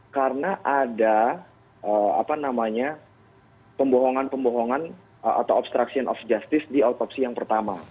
karena ada pembohongan atau obstruction of justice di otopsi yang pertama